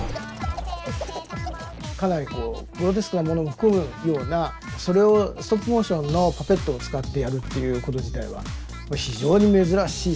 かなりこうグロテスクなものを含むようなそれをストップモーションのパペットを使ってやるっていうこと自体は非常に珍しい。